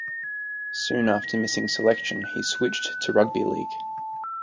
Soon after missing selection he switched to rugby league.